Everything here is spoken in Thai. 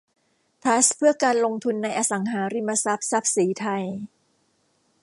ทรัสต์เพื่อการลงทุนในอสังหาริมทรัพย์ทรัพย์ศรีไทย